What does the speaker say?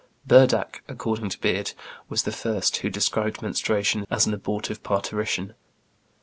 Burdach (according to Beard) was the first who described menstruation as an abortive parturition.